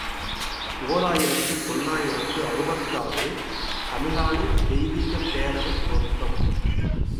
ஓர் ஆயிரத்து தொள்ளாயிரத்து அறுபத்தாறு ● தமிழ்நாடு தெய்வீகப் பேரவைத் தோற்றம்.